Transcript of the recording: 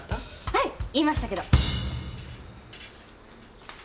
はい言いましたけど。